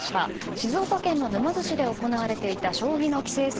静岡県の沼津市で行われていた将棋の棋聖戦